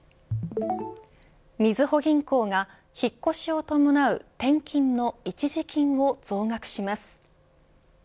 みずほ銀行が引っ越しを伴う転勤の一時金を増額します。